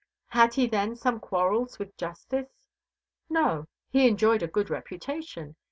Had he then some quarrels with justice? No. He enjoyed a good reputation.